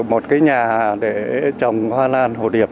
một cái nhà để trồng hoa lan hồ điệp